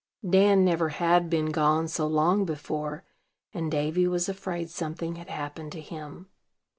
Dan never had been gone so long before, and Davy was afraid something had happened to him.